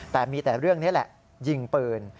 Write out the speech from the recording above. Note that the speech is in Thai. แต่มีแต่เรื่องนี้แหละยิงปืน